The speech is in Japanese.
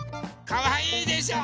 かわいいでしょ？